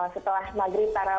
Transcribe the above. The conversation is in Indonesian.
setelah maghrib kita berpuasa